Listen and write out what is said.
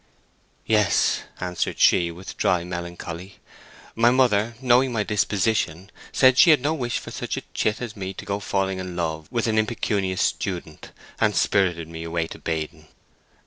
"Yes," answered she, with dry melancholy. "My mother, knowing my disposition, said she had no wish for such a chit as me to go falling in love with an impecunious student, and spirited me away to Baden.